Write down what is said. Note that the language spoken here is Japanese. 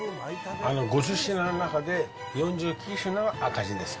５０品の中で、４９品は赤字です。